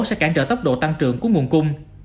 sẽ cản trở tốc độ tăng trưởng của nguồn cung